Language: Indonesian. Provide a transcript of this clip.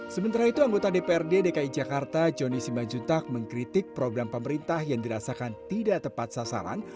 sementara itu anggota dprd dki jakarta joni simanjuntak mengkritik program pemerintah yang dirasakan tidak tepat sasaran